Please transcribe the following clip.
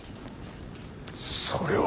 それは。